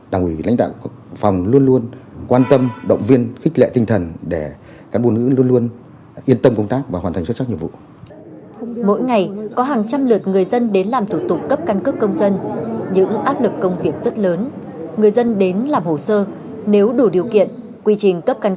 đảng ủy lãnh đạo phòng đã xây dựng ghi lịch để phân công cán bộ nữ là làm trong giờ hành chính